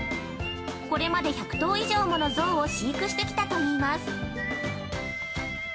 これまで１００頭以上の象を飼育してきたといいます。